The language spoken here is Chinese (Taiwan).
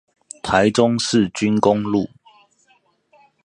台中市軍功路